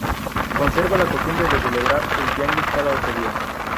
Conserva la costumbre de celebrar el tianguis cada ocho días.